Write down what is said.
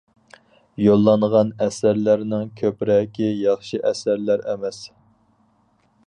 يوللانغان ئەسەرلەرنىڭ كۆپرەكى ياخشى ئەسەرلەر ئەمەس.